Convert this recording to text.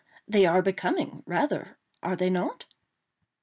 they are becoming—rather—are they not?"